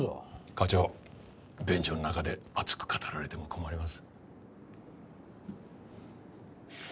課長便所の中で熱く語られても困ります。